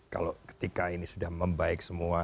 kalau ketika ini sudah membaik semua